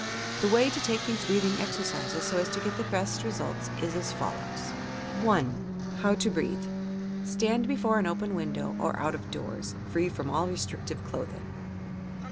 The way to take these breathing exercises so as to get the best results is as follows : HOW TO BREATHE 1. Stand before an open window or out of doors, — free from all restrictive clothing.